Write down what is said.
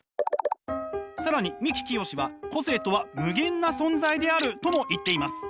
更に三木清は「個性とは無限な存在である」とも言っています。